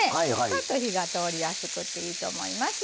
ぱっと火が通りやすくていいと思います。